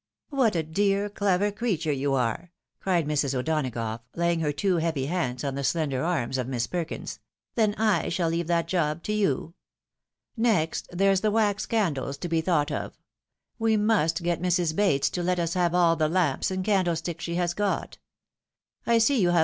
" What a dear, clever creature you are !" cried Mrs. O'Dona gough, laying her two heavy hands on the slender arms of Miss Perkins; " then I shall leave that job to you. Next, there's the wax candles to be thought of. We must get Mrs. Bates to let us have all the lamps and candlesticks she has got. I see you have A FINANCIAL NOVELTT.